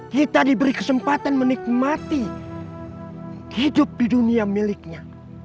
kita diberi kesempatan menikmati hidup di dunia miliknya